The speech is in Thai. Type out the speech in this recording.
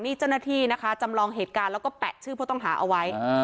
นี่เจ้าหน้าที่นะคะจำลองเหตุการณ์แล้วก็แปะชื่อผู้ต้องหาเอาไว้